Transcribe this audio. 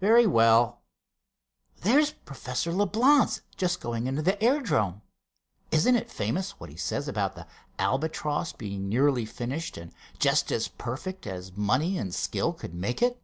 "Very well. There's Professor Leblance just going into the aerodrome. Isn't it famous what he says about the Albatross being nearly finished and just as perfect as money and skill could make it."